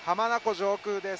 上空です